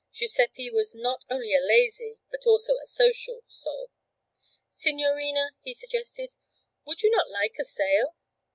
Giuseppe was not only a lazy, but also a social soul. 'Signorina,' he suggested, 'would you not like a sail?'